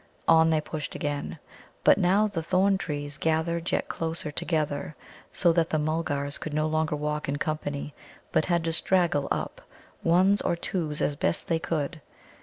On they pushed again. But now the thorn trees gathered yet closer together, so that the Mulgars could no longer walk in company, but had to straggle up by ones or twos as best they could.